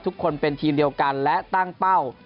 ทุกคนเป็นทีมเดียวกันและตั้งเป้า